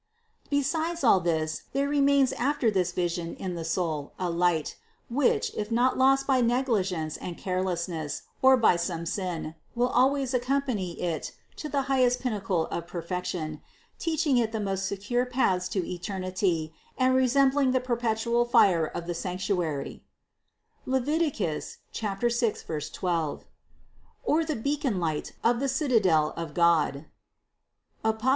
Besides all this there remains after this vision in the soul a light, which, if not lost by negligence and carelessness, or by some sin, will always accompany it to the highest pinnacle of perfection, teaching it the most secure paths to eternity and resembling the perpetual fire of the sanctuary (Lev. 6, 12) or the beaconlight of the citadel of God (Apoc.